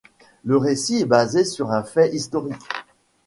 Le récit est basé sur un fait historique.